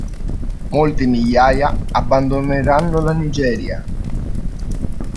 Molte migliaia abbandoneranno la Nigeria.